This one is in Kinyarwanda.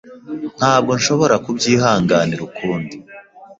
Ntabwo nshobora kubyihanganira ukundi.